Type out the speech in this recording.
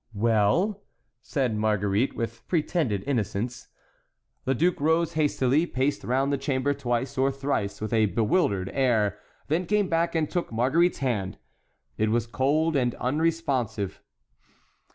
"Well?" said Marguerite, with pretended innocence. The duke rose hastily, paced round the chamber twice or thrice with a bewildered air, then came back and took Marguerite's hand. It was cold and unresponsive.